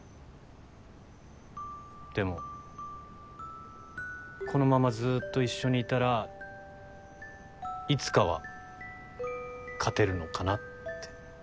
でもこのままずーっと一緒にいたらいつかは勝てるのかなって。